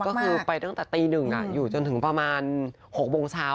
ก็คือไปตั้งแต่ตี๑อยู่จนถึงประมาณ๖โมงเช้า